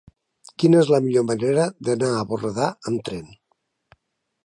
Quina és la millor manera d'anar a Borredà amb tren?